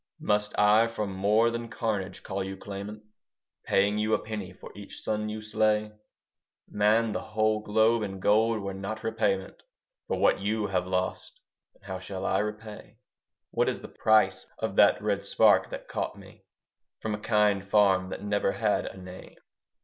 Must I for more than carnage call you claimant, Paying you a penny for each son you slay? Man, the whole globe in gold were no repayment For what you have lost. And how shall I repay? What is the price of that red spark that caught me From a kind farm that never had a name?